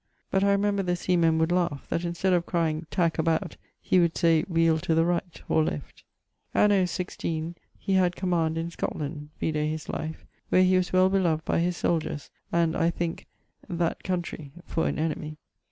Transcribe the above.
But I remember the sea men would laugh, that in stead of crying Tack about, he would say Wheele to the right (or left). Anno 16.. he had command in Scotland (vide his life), where he was well beloved by his soldiers, and, I thinke, that country (for an enemie).